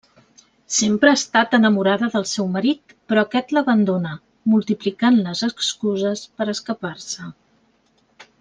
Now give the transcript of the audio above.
Sempre ha estat enamorada del seu marit però aquest l'abandona, multiplicant les excuses per escapar-se.